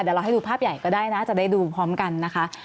เดี๋ยวเราให้ดูภาพใหญ่ก็ได้นะจะได้ดูพร้อมกันนะคะ